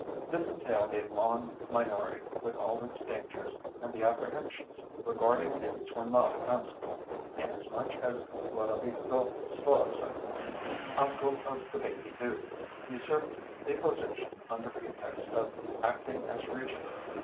This entailed a long minority, with all its dangers, and the apprehensions regarding these were not fanciful, inasmuch as Lodovico Sforza, uncle of the baby Duke, usurped the position under pretext of acting as regent.